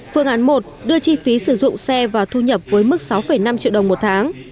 phương án một đưa chi phí sử dụng xe và thu nhập với mức sáu năm triệu đồng một tháng